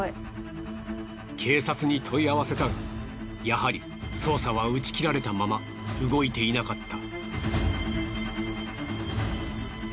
警察に問い合わせたがやはり捜査は打ち切られたまま動いていなかった。